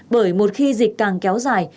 bởi một khi dịch càng kéo dài